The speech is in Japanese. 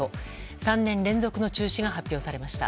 ３年連続の中止が発表されました。